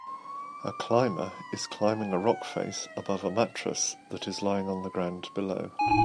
a climber is climbing a rock face above a mattress that is lying on the ground below.